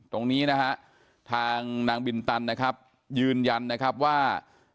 ตรงนี้นะฮะทางนางบินตันนะครับยืนยันนะครับว่า